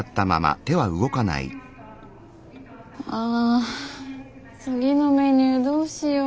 あ次のメニューどうしよう。